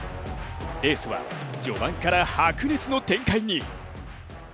レースは序盤から白熱の展開に。